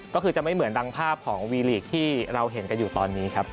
ก็คือจะไม่เหมือนดังภาพของวีลีกที่เราเห็นกันอยู่ตอนนี้ครับ